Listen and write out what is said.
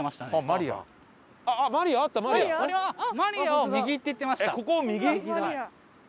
マリヤを右って言ってました。